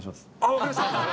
分かりました。